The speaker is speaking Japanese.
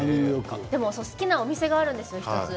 好きなお店があるんです、１つ。